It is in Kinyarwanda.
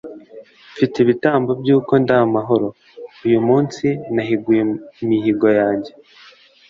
“mfite ibitambo by’uko ndi amahoro, uyu munsi nahiguye imihigo yanjye